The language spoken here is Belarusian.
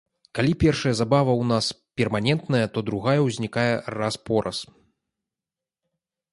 Калі першая забава ў нас перманентная, то другая ўзнікае раз-пораз.